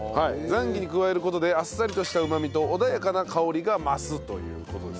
ザンギに加える事であっさりとしたうまみと穏やかな香りが増すという事です。